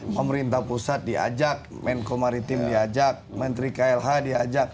pemerintah pusat diajak menko maritim diajak menteri klh diajak